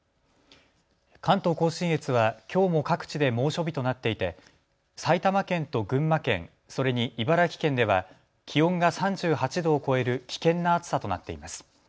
関東甲信越はきょうも各地で猛暑日となっていて埼玉県と群馬県それに茨城県では気温が３８度を超える危険な暑さとなっています。